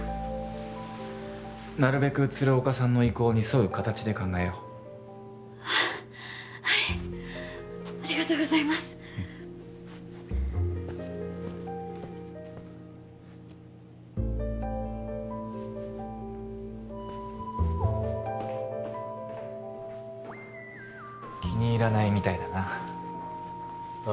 なるべく鶴岡さんの意向に沿う形で考えようはいありがとうございますうん気に入らないみたいだなあ